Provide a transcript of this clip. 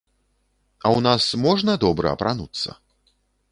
А ў нас можна добра апрануцца?